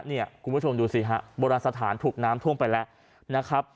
คุณผู้ชมดูสิฮะโบราณสถานถูกน้ำท่วมไปแล้วนะครับ